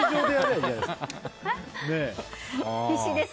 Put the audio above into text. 必死です。